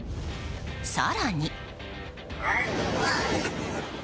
更に。